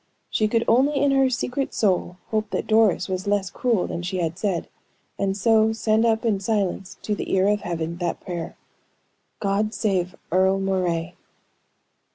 She could only in her secret soul hope that Doris was less cruel than she had said, and so send up in silence to the ear of Heaven, that prayer: "God save Earle Moray!"